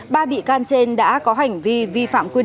ba bị can trên đã có hành vi vi phạm quy định